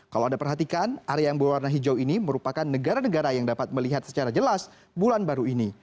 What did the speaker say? kalau anda perhatikan area yang berwarna hijau ini merupakan negara negara yang dapat melihat secara jelas bulan baru ini